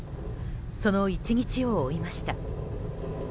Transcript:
その１日を追いました。